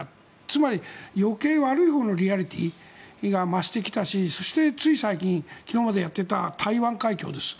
つまり余計、悪いほうのリアリティーが増してきたしそして、つい最近今までやっていた台湾海峡です。